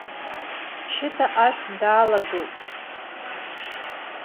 Шьыта ашә даалагылт.